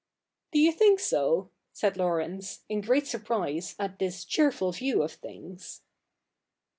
' Do you think so ?' said Laurence, in great surprise at this cheerful view of things.